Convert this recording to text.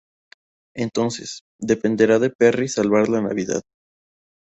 Entonces, dependerá de Perry salvar la navidad.